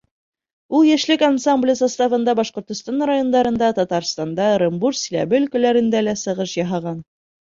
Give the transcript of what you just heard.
Ул «Йәшлек» ансамбле составында Башҡортостан райондарында, Татарстанда, Ырымбур, Силәбе өлкәләрендә лә сығыш яһаған.